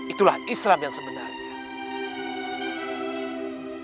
itulah islam yang sebenarnya